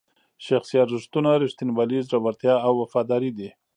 شخصي ارزښتونه ریښتینولي، زړورتیا او وفاداري دي.